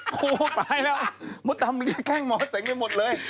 โคตรไปแล้วหมดทำแข้งหมอเสงไปหมดเลย